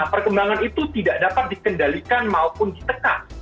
nah perkembangan itu tidak dapat dikendalikan maupun ditekak